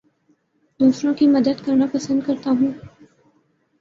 دوسروں کی مدد کرنا پسند کرتا ہوں